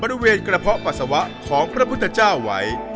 บริเวณกระเพาะปัสสาวะของพระพุทธเจ้าไว้